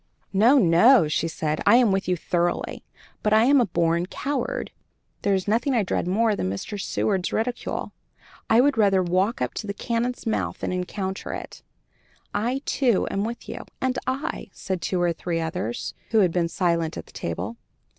"No, no!" said she; "I am with you thoroughly, but I am a born coward; there is nothing I dread more than Mr. Seward's ridicule. I would rather walk up to the cannon's mouth than encounter it." "I, too, am with you," "And I," said two or three others, who had been silent at the table.